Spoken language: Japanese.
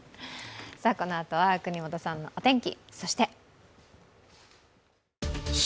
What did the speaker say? このあとは國本さんのお天気。